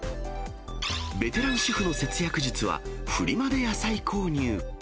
ベテラン主婦の節約術はフリマで野菜購入。